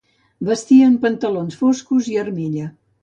Vestien pantalons foscos i armilla.